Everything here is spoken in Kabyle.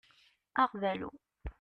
Aɣbalu.